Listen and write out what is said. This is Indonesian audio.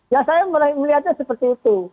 ya saya melihatnya seperti itu